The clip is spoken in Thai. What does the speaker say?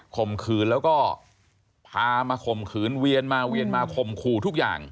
ข่มขืนแล้วก็พามาข่มขืนเวียนมาเวียนมาข่มขู่ทุกอย่าง